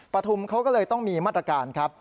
ปฐุมเขาก็เลยต้องมีมาตรการครับ